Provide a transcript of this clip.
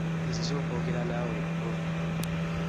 Nzize okwogera naawe leeo . luno .